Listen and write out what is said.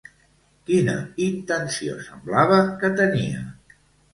Quina intenció semblava que tenia?